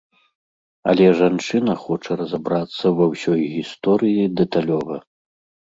Але жанчына хоча разабрацца ва ўсёй гісторыі дэталёва.